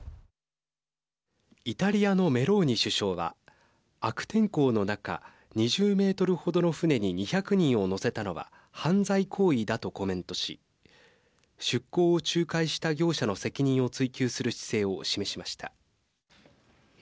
イタリアのメローニ首相は悪天候の中２０メートル程の船に２００人を乗せたのは犯罪行為だとコメントし出航を仲介した業者の責任を追及する姿勢を示しました。